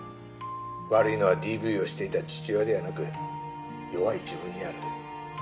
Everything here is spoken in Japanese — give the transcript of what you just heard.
悪いのはＤＶをしていた父親ではなく弱い自分にある。